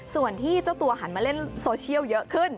ส่วนที่เจ้าตัวหันมาเล่นโซเชียลเยอะขึ้น